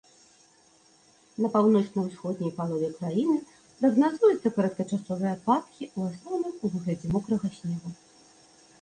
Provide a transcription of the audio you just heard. На паўночна-ўсходняй палове краіны прагназуюцца кароткачасовыя ападкі, у асноўным у выглядзе мокрага снегу.